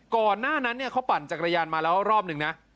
ก่อนหน้านั้นเขาปั่นจักรยานมาแล้วรอบหนึ่งนะ